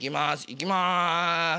いきます。